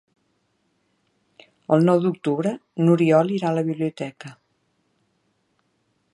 El nou d'octubre n'Oriol irà a la biblioteca.